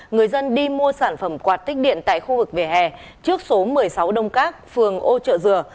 người dân đi mua sản phẩm quạt tích điện tại khu vực vỉa hè trước số một mươi sáu đông các phường ô trợ dừa